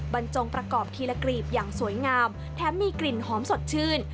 บรรจงประกอบทีละกรีบอย่างสวยงามแถมมีกลิ่นหอมสดชื่น